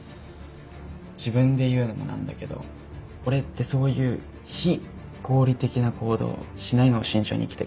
自分で言うのも何だけど俺ってそういう非合理的な行動しないのを信条に生きてっから。